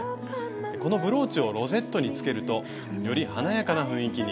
このブローチをロゼットにつけるとより華やかな雰囲気に。